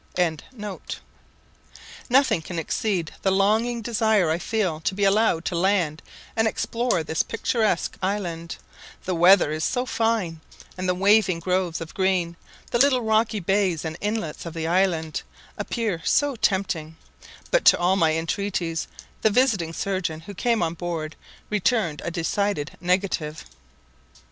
] Nothing can exceed the longing desire I feel to be allowed to land and explore this picturesque island; the weather is so fine, and the waving groves of green, the little rocky bays and inlets of the island, appear so tempting; but to all my entreaties the visiting surgeon who came on board returned a decided negative.